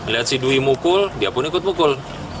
lihat si dwi mukul dia pun ikut mukul